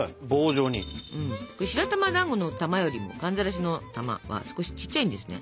白玉だんごの玉よりも寒ざらしの玉は少しちっちゃいんですね。